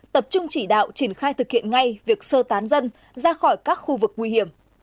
tập trung chỉ đạo triển khai thực hiện ngay việc sơ tán dân ra khỏi các khu vực nguy hiểm